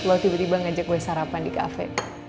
lo tiba tiba ngajak gue sarapan di kafe